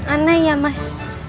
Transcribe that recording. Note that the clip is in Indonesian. anah ya mas